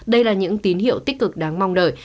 đây là những tín hiệu tích cực đáng mong đợi